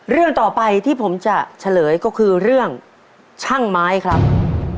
เรื่องต่อไปที่ผมจะเฉลยก็คือเรื่องช่างไม้ครับ